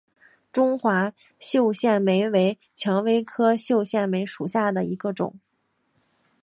中华绣线梅为蔷薇科绣线梅属下的一个种。